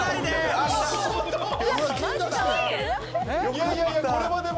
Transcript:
いやいやいや、これはでも。